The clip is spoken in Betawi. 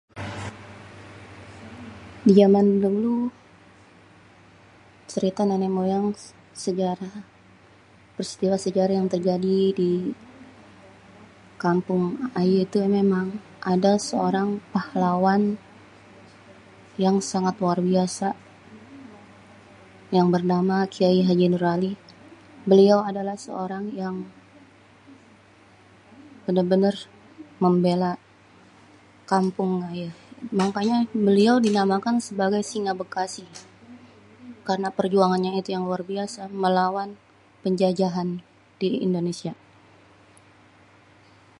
Di jaman dulu, cerita nenek moyang sejarah. Peristiwa sejarah yang terjadi di kampung ayé tuh memang ada seorang, pahlawan yang sangat luar biasa, yang bernama kyai Hj. Noer Ali. Beliau adalah seorang yang, bener-bener membela kampung die, makanya beliau di namakan Singa Bekasi, karna perjuangan yang luar biasa pahlawan penjajahan di Indonesia.